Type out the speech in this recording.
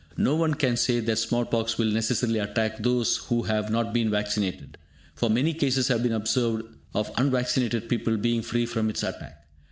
No one can say that small pox will necessarily attack those who have not been vaccinated; for many cases have been observed of unvaccinated people being free from its attack.